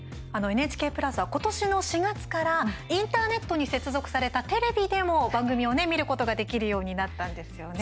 ＮＨＫプラスは今年の４月からインターネットに接続されたテレビでも番組を見ることが、できるようになったんですよね。